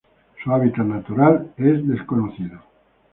Su hábitat natural es desconocido.